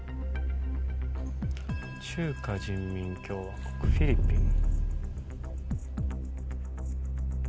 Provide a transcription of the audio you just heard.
中華人民共和国フィリピン。